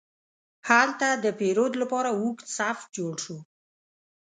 هلته د پیرود لپاره اوږد صف جوړ شو.